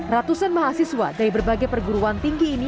ratusan mahasiswa dari berbagai perguruan tinggi ini